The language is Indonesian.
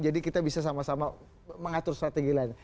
jadi kita bisa sama sama mengatur strategi lain